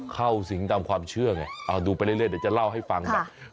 เข้าสิงตามความเชื่อไงเอาดูไปเรื่อยเดี๋ยวจะเล่าให้ฟังแบบ